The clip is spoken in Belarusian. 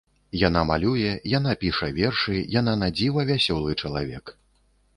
Яна малюе, яна піша вершы, яна надзіва вясёлы чалавек.